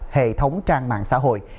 hệ thống trang mạng xã hội